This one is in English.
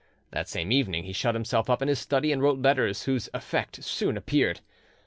That same evening he shut himself up in his study, and wrote letters whose effect soon appeared.